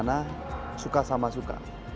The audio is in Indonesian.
tanah suka sama suka